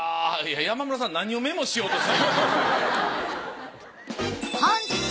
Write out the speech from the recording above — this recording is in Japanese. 山村さん何をメモしようとして。